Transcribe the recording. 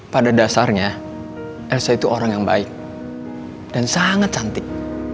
pada dasarnya elsa itu orang yang baik dan sangat cantik